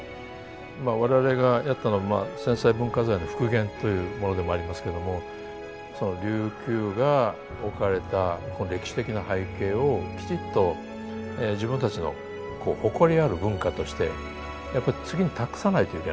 まあ我々がやったのは戦災文化財の復元というものでもありますけども琉球が置かれた歴史的な背景をきちっと自分たちのこう誇りある文化としてやっぱ次に託さないといけないと思うんですね。